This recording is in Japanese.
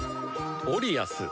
オリアス。